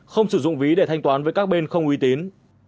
không sử dụng ví để thanh toán với các bên không uy tín